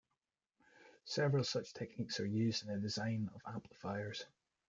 Several such techniques are used in the design of amplifiers.